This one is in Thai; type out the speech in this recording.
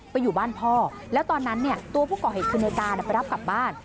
ไปอยู่บ้านพ่อแล้วตอนนั้นตัวผู้เกาะเหตุขึ้นในก้าไปรับกับบ้าน